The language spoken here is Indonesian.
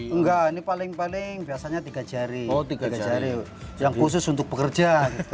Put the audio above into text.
enggak ini paling paling biasanya tiga jari tiga jari yang khusus untuk bekerja